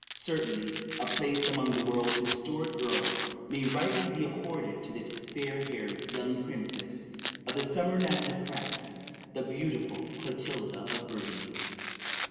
Certainly a place among the world's historic girls may rightly be accorded to this fair haired young princess of the summer land of France, the beautiful Clotilda of Burgundy.